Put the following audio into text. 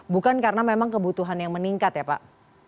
bukan karena memang kebutuhan yang meningkat ya pak